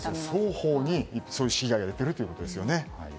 双方に被害が出ているということですよね。